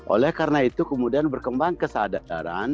oleh karena itu kemudian berkembang kesadaran